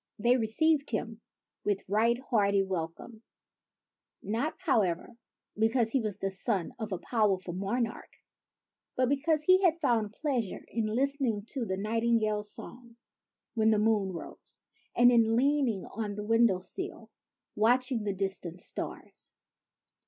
They received him with right hearty welcome, — not, however, because he was a son of a powerful monarch, but because he had found pleasure in listening to the nightingale's song when the moon rose, and in leaning on the window sill, watching the distant stars.